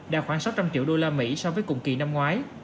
đạt khoảng sáu trăm linh triệu đô la mỹ so với cùng kỳ năm ngoái